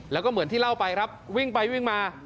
แล้วก็เหมือนที่เล่าไปครับวิ่งไปวิ่งมา